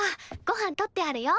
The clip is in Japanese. ごはん取ってあるよ。